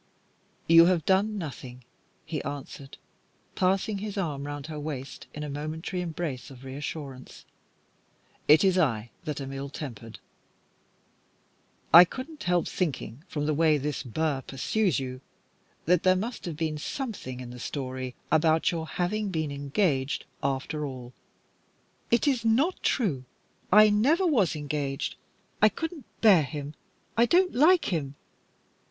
"You have done nothing," he answered, passing his arm round her waist in a momentary embrace of reassurance. "It is I that am ill tempered. I couldn't help thinking from the way this Burr pursues you that there must have been something in the story about your having been engaged, after all." "It is not true. I never was engaged. I couldn't bear him. I don't like him.